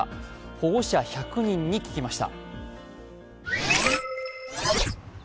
保護者１００人に聞きました。